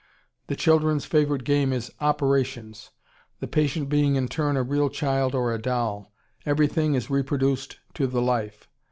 The children's favorite game is "operations," the patient being in turn a real child or a doll. Everything is reproduced to the life.